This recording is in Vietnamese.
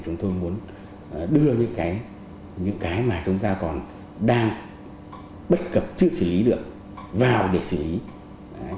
chúng tôi muốn đưa những cái mà chúng ta còn đang bất cập chưa xử lý được vào để xử lý